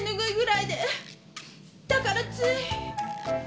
だからつい。